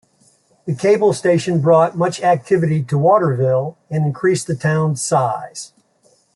The cable station brought much activity to Waterville and increased the town's size.